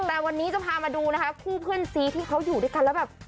แต่วันนี้จะพามาดูนะคะคู่เพื่อนซีที่เขาอยู่ด้วยกันแล้วแบบ